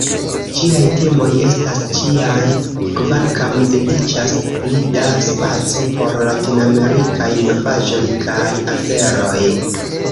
Ĝiaj temoj estas ĉiaj kvankam dediĉas pli da spaco por latinamerikaj novaĵoj kaj aferoj.